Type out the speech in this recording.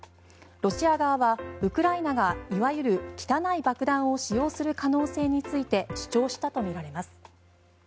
ロシア側はウクライナがいわゆる汚い爆弾を使用する可能性について主張したとみられます。